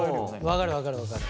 分かる分かる分かる。